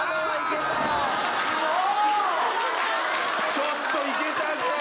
ちょっといけたじゃん。